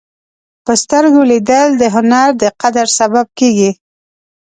په سترګو لیدل د هنر د قدر سبب کېږي